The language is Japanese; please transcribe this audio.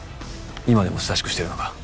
今でも親しくしてるのか？